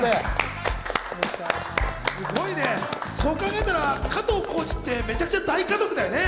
すごいね、そう考えたら、加藤浩次ってめちゃくちゃ大家族だよね。